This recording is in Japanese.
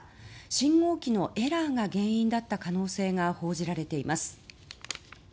信号機のエラーが原因だった可能性が報じられています。